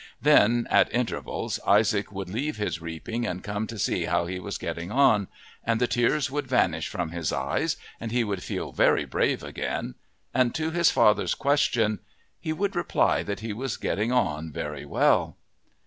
Then, at intervals, Isaac would leave his reaping and come to see how he was getting on, and the tears would vanish from his eyes, and he would feel very brave again, and to his father's question he would reply that he was getting on very well.